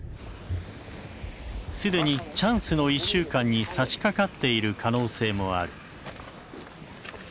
既に「チャンスの１週間」にさしかかっている可能性もある。